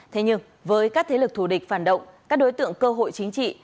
thế nhưng với các thế lực thù địch phản động các đối tượng cơ hội chính trị